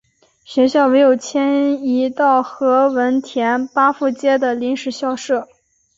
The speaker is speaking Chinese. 学校唯有迁移到何文田巴富街的临时校舍。